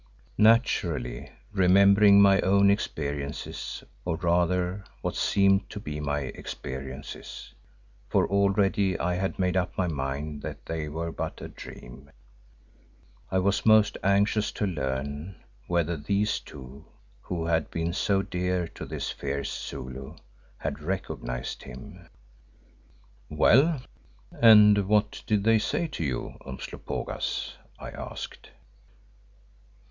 Naturally, remembering my own experiences, or rather what seemed to be my experiences, for already I had made up my mind that they were but a dream, I was most anxious to learn whether these two who had been so dear to this fierce Zulu, had recognised him. "Well, and what did they say to you, Umslopogaas?" I asked.